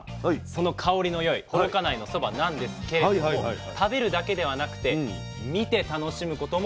その香りの良い幌加内のそばなんですけれども食べるだけではなくて見て楽しむこともできるんです。